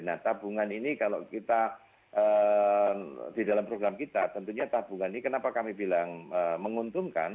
nah tabungan ini kalau kita di dalam program kita tentunya tabungan ini kenapa kami bilang menguntungkan